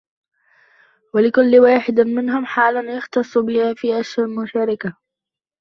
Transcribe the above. وَلِكُلِّ وَاحِدٍ مِنْهُمْ حَالٌ يَخْتَصُّ بِهَا فِي الْمُشَارَكَةِ